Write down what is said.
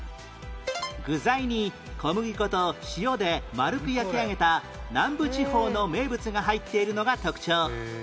具材に小麦粉と塩で丸く焼き上げた南部地方の名物が入っているのが特徴